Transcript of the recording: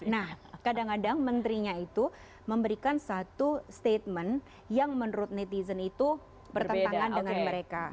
nah kadang kadang menterinya itu memberikan satu statement yang menurut netizen itu bertentangan dengan mereka